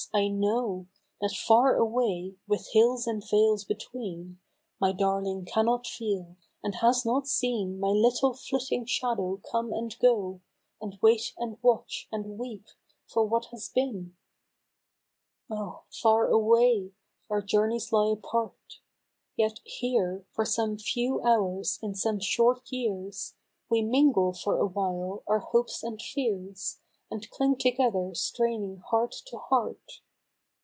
I know That far away, with hills and vales between My darling cannot feel, and has not seen My little flitting shadow come and go And wait and watch and weep for what has been ! Oh ! "far away !" our journeys lie apart ; Yet here, for some few hours in some short years We mingle for awhile our hopes and fears. And cling together straining heart to heart.